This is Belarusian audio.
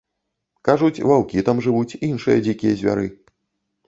Кажуць, ваўкі там жывуць, іншыя дзікія звяры.